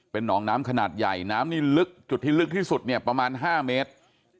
หนองน้ำขนาดใหญ่น้ำนี่ลึกจุดที่ลึกที่สุดเนี่ยประมาณ๕เมตร